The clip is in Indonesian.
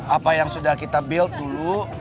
apa yang sudah kita build dulu